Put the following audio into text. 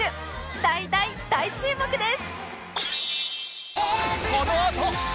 大大大注目です！